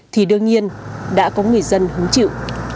thì đương nhiên đã có người dân hứng chịu